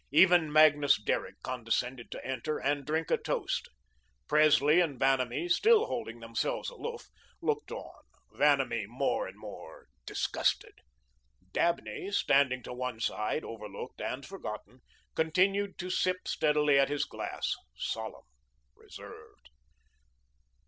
Even Magnus Derrick condescended to enter and drink a toast. Presley and Vanamee, still holding themselves aloof, looked on, Vanamee more and more disgusted. Dabney, standing to one side, overlooked and forgotten, continued to sip steadily at his glass, solemn, reserved.